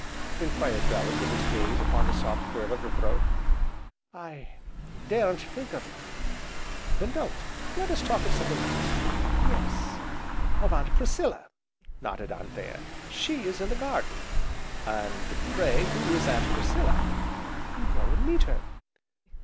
enquired Bellew, with his gaze upon the soft curve of her throat. "I daren't think of it!" "Then don't let us talk of something else " "Yes, of Aunt Priscilla!" nodded Anthea, "she is in the garden." "And pray who is Aunt Priscilla?" "Go and meet her."